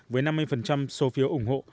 với năm mươi số phiếu ủng hộ